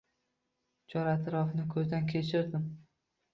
Chor-atrofni ko‘zdan kechirdim.